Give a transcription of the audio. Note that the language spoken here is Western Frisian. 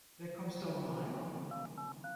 Wêr komsto wei?